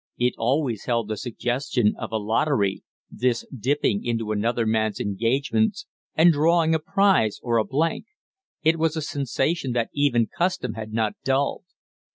It always held the suggestion of a lottery this dipping into another man's engagements and drawing a prize or a blank. It was a sensation that even custom had not dulled.